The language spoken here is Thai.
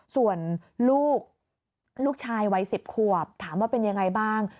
ส่วนลูกลูกชายวัย๑๐ขวบถามว่าเป็นยังไงบ้าง